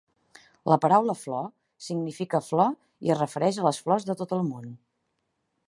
La paraula 'flor' significa flor i es refereix a les flors de tot el món.